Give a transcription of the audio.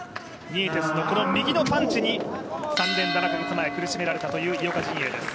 ニエテスの右のパンチに３年７カ月前苦しめられたという井岡陣営です。